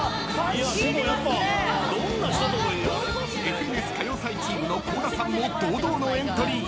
［ＦＮＳ歌謡祭チームの倖田さんも堂々のエントリー］